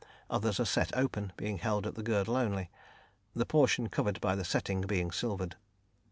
Others are set open, being held at the girdle only, the portion covered by the setting being silvered.